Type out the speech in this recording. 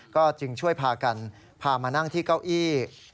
ก็จึงช่วยพากันพามานั่งที่เก้าอี้